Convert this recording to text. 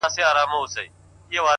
ما درته وژړل; ستا نه د دې لپاره;